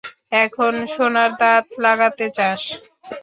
এখন সোনার দাঁত লাগাতে চাস?